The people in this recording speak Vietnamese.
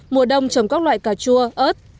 mùa đông trồng các loại cà chua ớt